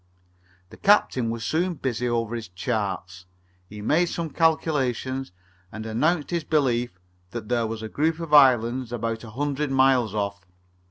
The captain was soon busy over his charts. He made some calculations and announced his belief that there was a group of islands about a hundred miles off.